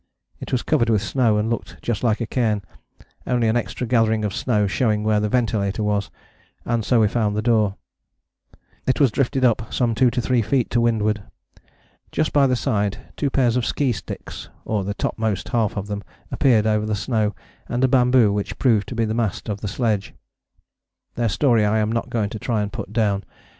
It was covered with snow and looked just like a cairn, only an extra gathering of snow showing where the ventilator was, and so we found the door. It was drifted up some 2 3 feet to windward. Just by the side two pairs of ski sticks, or the topmost half of them, appeared over the snow, and a bamboo which proved to be the mast of the sledge. Their story I am not going to try and put down.